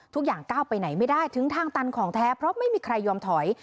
ทุกอย่างก้าวไปไหนไม่ได้ถึงทางตันของแท้เพราะไม่มีใครยอมถอย